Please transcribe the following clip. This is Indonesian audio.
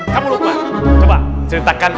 kamu lupa coba ceritakan